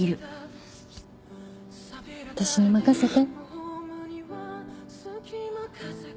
私に任せて。